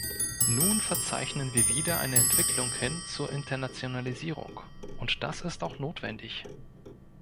Nun verzeichnen wir wieder eine Entwicklung hin zur Internationalisierung, und das ist auch notwendig.